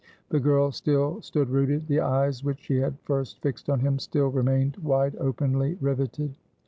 The girl still stood rooted; the eyes, which she had first fixed on him, still remained wide openly riveted.